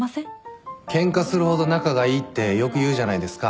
「ケンカするほど仲がいい」ってよく言うじゃないですか。